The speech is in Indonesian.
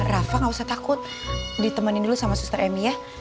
rafa gak usah takut ditemenin dulu sama suster emi ya